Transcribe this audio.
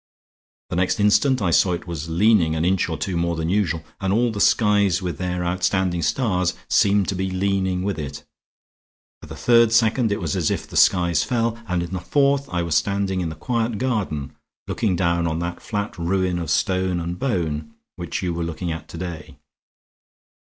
The next instant I saw it was leaning an inch or two more than usual, and all the skies with their outstanding stars seemed to be leaning with it. For the third second it was as if the skies fell; and in the fourth I was standing in the quiet garden, looking down on that flat ruin of stone and bone at which you were looking to day.